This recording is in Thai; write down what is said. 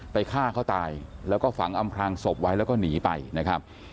ฆ่าเขาตายแล้วก็ฝังอำพลางศพไว้แล้วก็หนีไปนะครับ